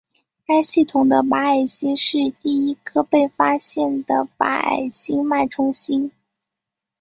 该系统的白矮星是第一颗被发现的白矮星脉冲星。